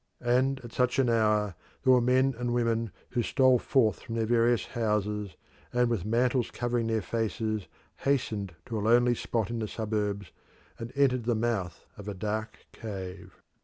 And at such an hour there were men and women who stole forth from their various houses, and with mantles covering their faces hastened to a lonely spot in the suburbs, and entered the mouth of a dark cave.